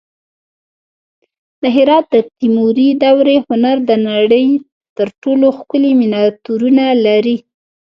د هرات د تیموري دورې هنر د نړۍ تر ټولو ښکلي مینیاتورونه لري